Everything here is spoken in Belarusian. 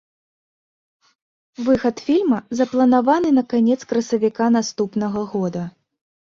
Выхад фільма запланаваны на канец красавіка наступнага года.